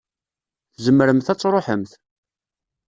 Tzemremt ad tṛuḥemt.